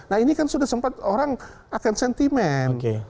nah ini kan sudah sempat orang akan sentimen